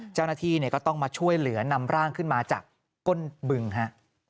เจ้าหน้าที่ก็ต้องมาช่วยเหลือนำร่างขึ้นมาจากก้นบึงฮะ